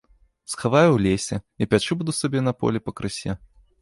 Схаваю ў лесе і пячы буду сабе на полі пакрысе.